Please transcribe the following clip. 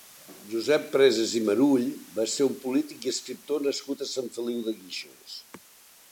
Josep Preses i Marull va ser un polític i escriptor nascut a Sant Feliu de Guíxols.